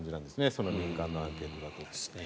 その民間のアンケートだと。